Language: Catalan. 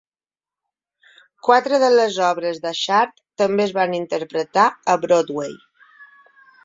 Quatre de les obres d'Achard també es van interpretar a Broadway.